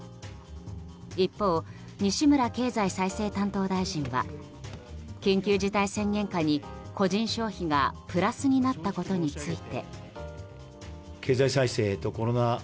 一方、西村経済再生担当大臣は緊急事態宣言下に個人消費がプラスになったことについて。